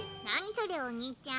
それおにいちゃん。